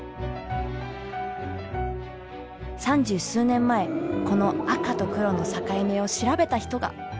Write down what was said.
三十数年前この赤と黒の境目を調べた人が！